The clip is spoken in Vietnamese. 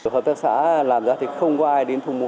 hợp tác xã làm giá thì không có ai đến thu mua